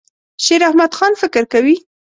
شیراحمدخان فکر کوي.